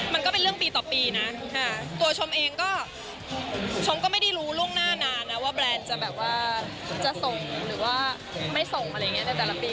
มันก็เป็นเรื่องปีต่อปีนะตัวชมเองก็ชมก็ไม่ได้รู้ล่วงหน้านานนะว่าแบรนด์จะแบบว่าจะส่งหรือว่าไม่ส่งอะไรอย่างนี้ในแต่ละปี